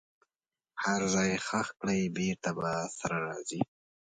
هر ځای یې ښخ کړئ بیرته به سره راځي.